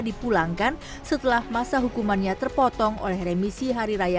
dipulangkan setelah masa hukumannya terpotong oleh remisi hari raya kemerdekaan indonesia dengan